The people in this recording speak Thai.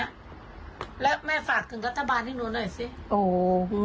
๊าและแม่ฝากถึงรัฐบาลนี่นู้นหน่อยสิ